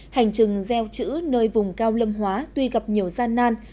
hành trình gieo chữ nơi vùng cao lâm hóa tuy gặp nhiều gian nan